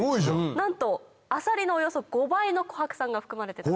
なんとアサリのおよそ５倍のコハク酸が含まれてたんです。